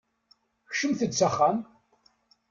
Kecmet-d s axxam!